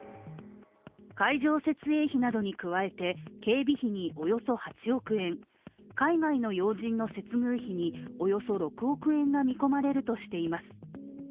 会場設営費などに加えて、警備費におよそ８億円、海外の要人の接遇費におよそ６億円が見込まれるとしています。